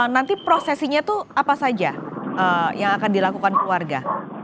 nanti prosesinya itu apa saja yang akan dilakukan keluarga